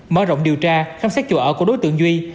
mở rộng điều tra khám xét chỗ ở của đối tượng duy